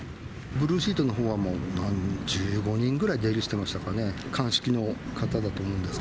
ブルーシートのほうは、１５人ぐらい出入りしてましたかね、鑑識の方だと思うんです